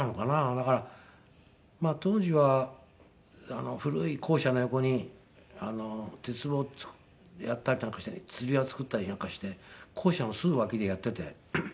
だからまあ当時は古い校舎の横に鉄棒やったりなんかして吊り輪作ったりなんかして校舎のすぐ脇でやっていて。